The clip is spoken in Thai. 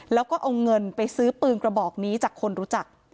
แล้วก็เอาเงินไปซื้อปืนกระบอกนี้จากคนรู้จัก